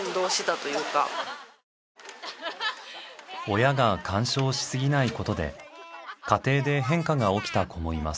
親が干渉しすぎないことで家庭で変化が起きた子もいます。